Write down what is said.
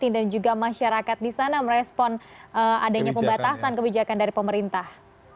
dan juga masyarakat di sana merespon adanya pembatasan kebijakan dari pemerintah